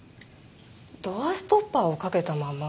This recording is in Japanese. ドアストッパーをかけたまま？